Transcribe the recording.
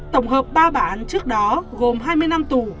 tổng hợp ba bản án trước đó gồm hai mươi năm tù